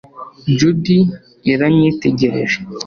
judy yaranyitegereje